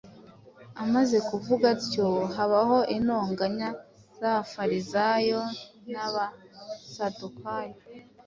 Amaze kuvuga atyo, habaho intonganya z’Abafarisayo n’Abasadukayo;